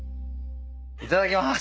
いただきます！